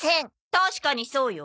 確かにそうよ。